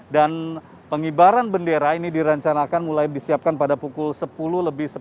dan pengibaran bendera ini dirancangkan mulai disiapkan pada pukul sepuluh lebih sepuluh